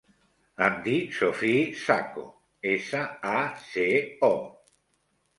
Em dic Sophie Saco: essa, a, ce, o.